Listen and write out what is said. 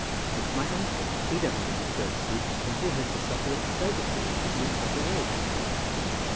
"Look at my uncle; he doesn't like to go to sleep, and he has to suffer a purgatory in keeping himself awake."